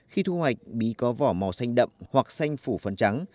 khi thu hoạch bí có vỏ màu xanh đậm hoặc xanh phủ phấn trắng